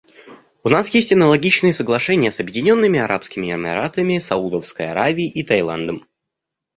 У нас есть аналогичные соглашения с Объединенными Арабскими Эмиратами, Саудовской Аравией и Таиландом.